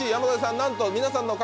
なんと皆さんの獲得